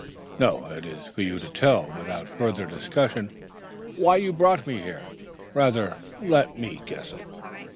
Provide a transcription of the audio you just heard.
"No; it is for you to tell, without further discussion, why you brought me here. Rather let me guess it.